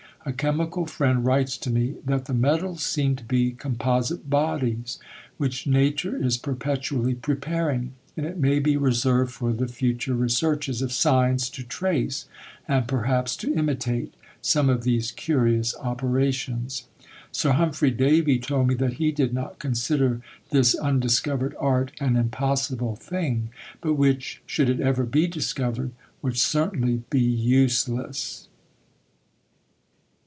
A chemical friend writes to me, that "The metals seem to be composite bodies, which nature is perpetually preparing; and it may be reserved for the future researches of science to trace, and perhaps to imitate, some of these curious operations." Sir Humphry Davy told me that he did not consider this undiscovered art an impossible thing, but which, should it ever be discovered, would certainly be useless.